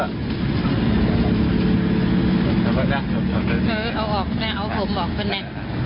เอาออกแน่เอาผมออกแน่